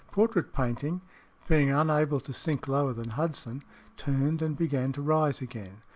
Portrait painting, being unable to sink lower than Hudson, turned and began to rise again.